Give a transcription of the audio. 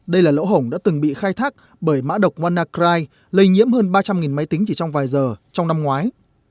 đây là lỗ hổng đã từng bị khai thác bởi mã độc monnacry lây nhiễm hơn ba trăm linh máy tính chỉ trong vài giờ trong năm ngoái